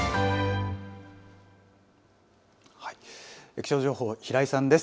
気象情報は平井さんです。